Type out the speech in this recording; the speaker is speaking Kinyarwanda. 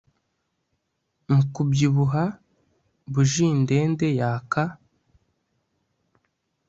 Mu kubyibuha bujindende yaka